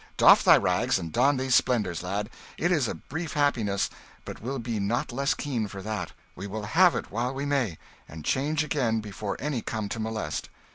Doff thy rags, and don these splendours, lad! It is a brief happiness, but will be not less keen for that. We will have it while we may, and change again before any come to molest."